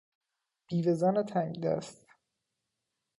بیوه زن تنگدست